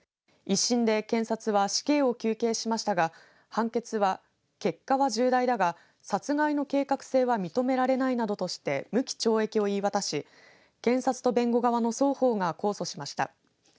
１審で検察は死刑を求刑しましたが判決は、結果は重大だが殺害の計画性は認められないなどとして無期懲役を言い渡し検察と弁護側の双方が控訴しました。